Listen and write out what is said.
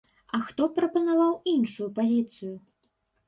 А хто прапанаваў іншую пазіцыю?